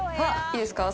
いいですか？